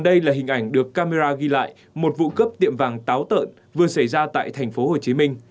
đây là hình ảnh được camera ghi lại một vụ cướp tiệm vàng táo tợn vừa xảy ra tại tp hcm